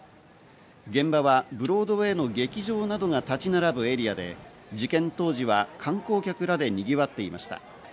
現場はブロードウェーの劇場などが立ち並ぶエリアで、事件当時は観光客らでにぎわっていました。